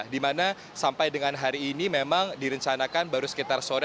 dimana sampai dengan hari ini memang direncanakan baru sekitar sore